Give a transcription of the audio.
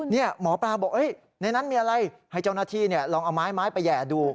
นี่หมอปลาบอกในนั้นมีอะไรให้เจ้าหน้าที่ลองเอาไม้ไปแห่ดู